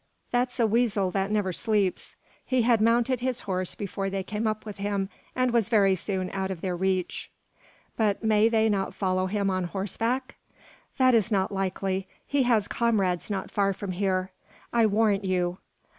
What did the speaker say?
That's a weasel that never sleeps. He had mounted his horse before they came up with him, and was very soon out of their reach." "But may they not follow him on horseback?" "That is not likely. He has comrades not far from here, I warrant you.